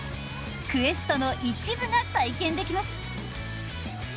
クエストの一部が体験できます！